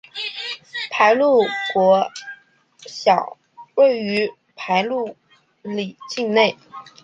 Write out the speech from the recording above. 排路国小位于排路里境内。